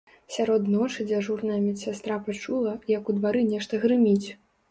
Сярод ночы дзяжурная медсястра пачула, як у двары нешта грыміць.